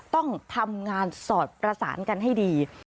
ต้องทำงานสอดประสานกันให้ดี